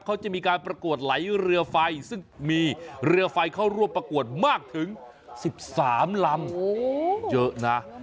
เขาจะมีการประกวดไหลเรือไฟซึ่งมีเรือไฟเข้าร่วมประกวดมากถึง๑๓ลำเยอะนะ